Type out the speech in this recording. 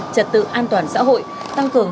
trật tự an toàn xã hội tăng cường